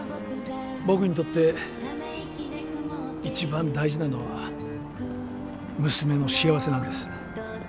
僕にとって一番大事なのは娘の幸せなんです。